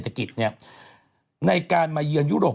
จากธนาคารกรุงเทพฯ